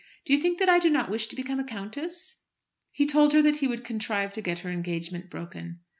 Do you think that I do not wish to become a countess?" He told her that he would contrive to get her engagement broken.